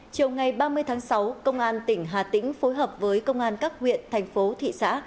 chiều ngày ba mươi tháng sáu công an tỉnh hà tĩnh phối hợp với công an các huyện thành phố thị xã